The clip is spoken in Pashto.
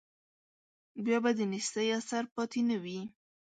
بیا به د نیستۍ اثر پاتې نه وي.